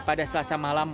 pada selasa malam